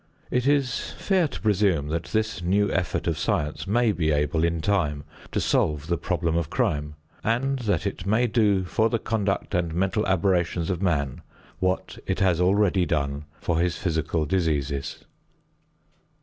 It is fair to presume that this new effort of science may be able in time to solve the problem of crime, and that it may do for the conduct and mental aberrations of man what it has already done for his physical diseases.